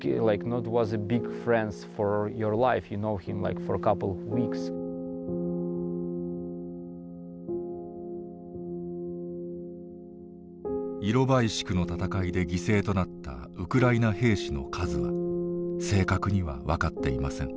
イロバイシクの戦いで犠牲となったウクライナ兵士の数は正確には分かっていません。